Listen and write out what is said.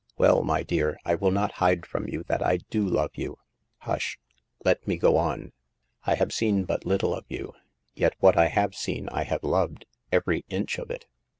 Well, my dear, I will not hide from you that I do love you. Hush ! let me go on. I have seen but little of you, yet what I have seen I have loved, every inch of it.